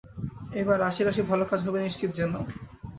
এইবার রাশি রাশি ভাল কাজ হবে, নিশ্চিত জেনো।